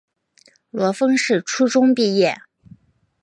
罗烽是初中毕业。